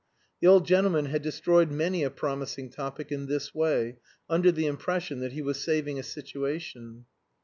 The old gentleman had destroyed many a promising topic in this way, under the impression that he was saving a situation.